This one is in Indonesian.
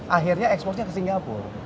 akhirnya ekspornya ke singapura